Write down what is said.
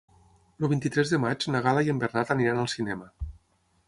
El vint-i-tres de maig na Gal·la i en Bernat aniran al cinema.